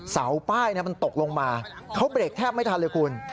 เสาป้ายมันตกลงมาเขาเบรกแทบไม่ทันเลยคุณ